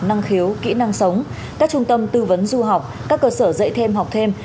năng khiếu kỹ năng sống các trung tâm tư vấn du học các cơ sở dạy thêm học thêm